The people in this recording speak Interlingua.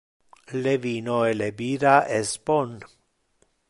Le vino e le bira es bon.